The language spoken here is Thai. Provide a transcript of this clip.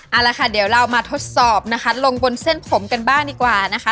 เอาละค่ะเดี๋ยวเรามาทดสอบนะคะลงบนเส้นผมกันบ้างดีกว่านะคะ